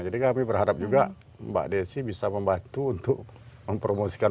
jadi kami berharap juga mbak desi bisa membantu untuk mempromosikan